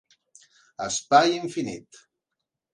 Espai infinit